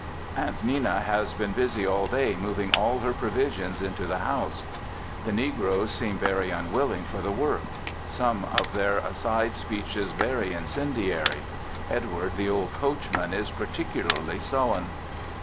Aunt Nenna has been busy all day moving all her provisions into the house. The negroes seem very unwilling for the work; some of their aside speeches very incendiary. Edward, the old coachman is particularly sullen.